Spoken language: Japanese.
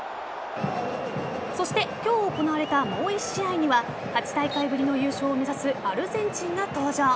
そして今日行われたもう１試合には８大会ぶりの優勝を目指すアルゼンチンが登場。